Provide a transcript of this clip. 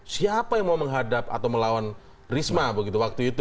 siapa yang mau menghadap atau melawan risma begitu waktu itu